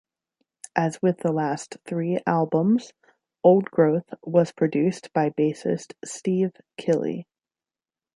As with the last three albums, "Old Growth" was produced by bassist Steve Kille.